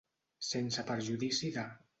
Sense perjudici de.